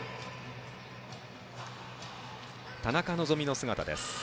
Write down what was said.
田中希実の姿です。